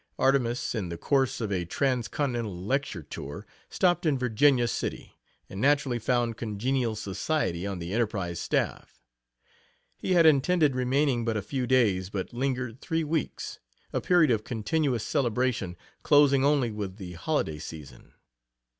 Artemus in the course of a transcontinental lecture tour, stopped in Virginia City, and naturally found congenial society on the Enterprise staff. He had intended remaining but a few days, but lingered three weeks, a period of continuous celebration, closing only with the holiday season.